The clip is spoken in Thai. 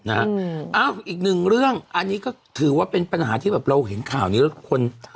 เอ้าอีกหนึ่งเรื่องอันนี้ก็ถือว่าเป็นปัญหาที่แบบเราเห็นข่าวนี้แล้วคน